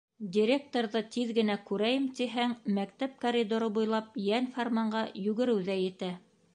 Директорҙы тиҙ генә күрәйем, тиһәң, мәктәп коридоры буйлап йәнфарманға йүгереү ҙә етә.